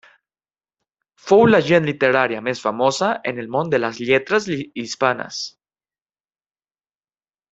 Fou l'agent literària més famosa en el món de les lletres hispanes.